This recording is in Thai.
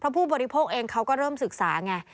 ผู้บริโภคเองเขาก็เริ่มศึกษาไง